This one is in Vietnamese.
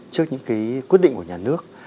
trước những cái quyết định của nhà nước